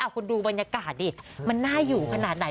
คุณดูบรรยากาศดิมันน่าอยู่ขนาดไหน